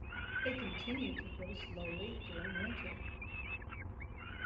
They continue to grow slowly during winter.